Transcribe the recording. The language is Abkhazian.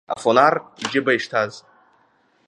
Игәалашәеит афонар иџьыба ишҭаз.